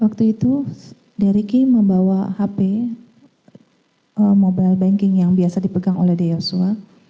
waktu itu d ricky membawa hp mobile banking yang biasa dipegang oleh de joshua